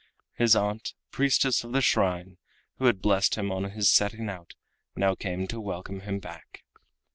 His aunt, priestess of the shrine, who had blessed him on his setting out, now came to welcome him back.